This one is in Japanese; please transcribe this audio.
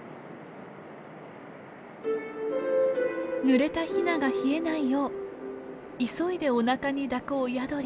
ぬれたヒナが冷えないよう急いでおなかに抱く親鳥。